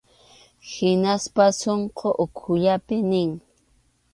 Hinaspas sunqun ukhullapi nin.